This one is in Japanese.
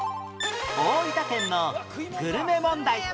大分県のグルメ問題